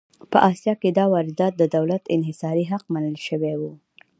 په اسیا کې دا واردات د دولت انحصاري حق منل شوي وو.